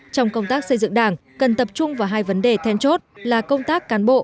trong công tác xây dựng đảng cần tập trung vào hai vấn đề then chốt là công tác cán bộ